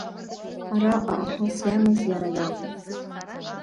Араҟа аҳас иамаз иара иакәын.